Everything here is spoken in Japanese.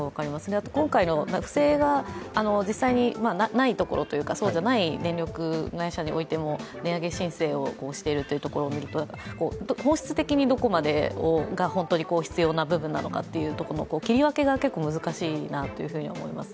あと、今回の不正が実際にないところというか、そうじゃない電力会社においても値上げ申請をしているというところを見ると、本質的にどこまでが本当に必要な部分なのかっていう切り分けが結構難しいなと思います。